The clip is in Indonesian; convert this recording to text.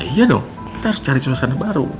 iya dong kita harus cari suasana baru